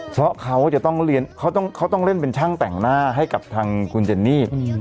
เพราะเขาจะต้องเรียนเขาต้องเล่นเป็นช่างแต่งหน้าให้กับทางคุณเจนนี่